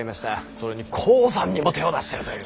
それに鉱山にも手を出してるという。